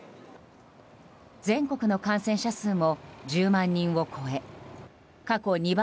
全国の感染者数も１０万人を超え